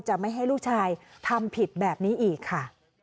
จะไม่ให้ลูกชายทำผิดแบบนี้อีกค่ะ